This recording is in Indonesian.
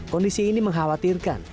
kondisi ini mengkhawatirkan